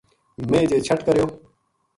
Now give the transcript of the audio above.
میں جے چھٹ کریو